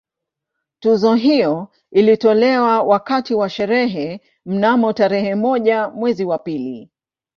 Tuzo hiyo ilitolewa wakati wa sherehe mnamo tarehe moja mwezi wa pili